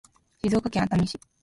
静岡県熱海市